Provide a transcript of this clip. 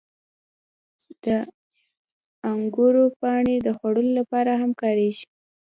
• د انګورو پاڼې د خوړو لپاره هم کارېږي.